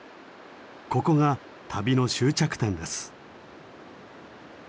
ここが旅の終着点です。